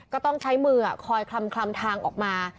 ก็ต้องใช้มือคอยคลำทางออกมา